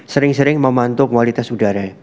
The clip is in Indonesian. sering sering memantau kualitas udara